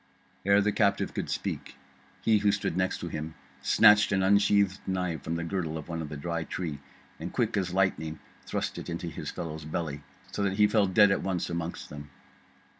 Ere the captive could speak, he who stood next him snatched an unsheathed knife from the girdle of one of the Dry Tree, and quick as lightning thrust it into his fellow's belly, so that he fell dead at once amongst them.